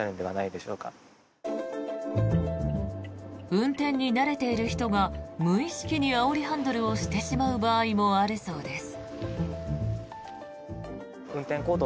運転に慣れている人が無意識にあおりハンドルをしてしまう場合もあるそうです。